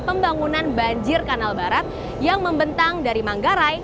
pembangunan banjir kanal barat yang membentang dari manggarai